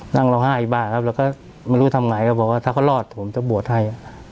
ร้องไห้บ้างครับแล้วก็ไม่รู้ทำไงก็บอกว่าถ้าเขารอดผมจะบวชให้